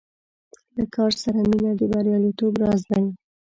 له کار سره مینه د بریالیتوب راز دی.